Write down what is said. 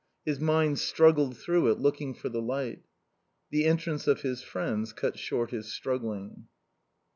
His mind struggled through it, looking for the light. The entrance of his friends cut short his struggling.